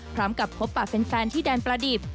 พร้อมกับพบปะแฟนที่แดนประดิบ